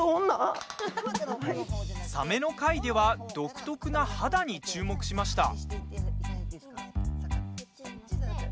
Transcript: サメの回では独特な肌に注目しました。